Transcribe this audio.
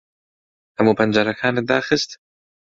ھەموو پەنجەرەکانت داخست؟